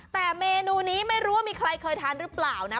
แต่เมนูนี้ไม่รู้ว่ามีใครเคยทานหรือเปล่านะ